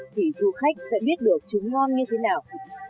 thì du khách sẽ biết được trúng ngon như thế nào